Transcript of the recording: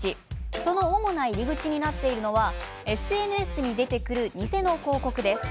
その主な入り口になっているのはＳＮＳに出てくる偽の広告です。